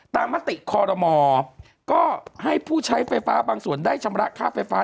มติคอรมอก็ให้ผู้ใช้ไฟฟ้าบางส่วนได้ชำระค่าไฟฟ้า